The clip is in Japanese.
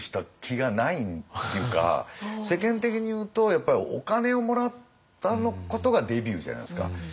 世間的に言うとやっぱりお金をもらったことがデビューじゃないですか。